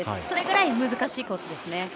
それぐらい難しいコースです。